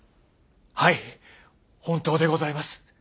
はい本当でございます。